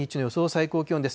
最高気温です。